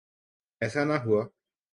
ایسا نہ ہوا۔